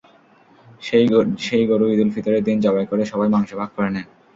সেই গরু ঈদুল ফিতরের দিন জবাই করে সবাই মাংস ভাগ করে নেন।